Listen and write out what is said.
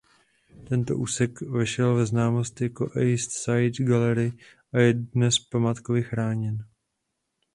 Tento úsek vešel ve známost jako East Side Gallery a je dnes památkově chráněn.